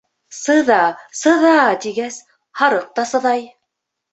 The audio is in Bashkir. Сыҙа-сыҙа тигәс, һарыҡ та сыҙай.